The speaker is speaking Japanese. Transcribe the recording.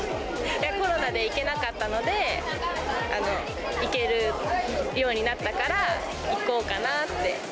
コロナで行けなかったので、行けるようになったから行こうかなって。